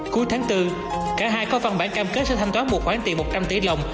cuối tháng bốn cả hai có văn bản cam kết sẽ thanh toán một khoản tiền một trăm linh tỷ đồng